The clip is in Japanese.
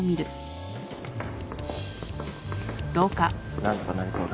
何とかなりそうだ。